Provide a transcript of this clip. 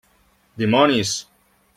Dimonis!